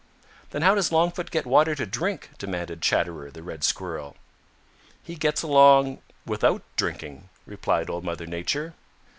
"Then how does Longfoot get water to drink?" demanded Chatterer the Red Squirrel. "He gets along without drinking," replied Old Mother Nature.